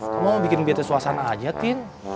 kamu bikin biadanya suasana aja entin